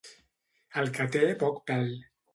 El que té poc pèl.